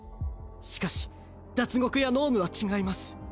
しかしダツゴクや脳無は違います。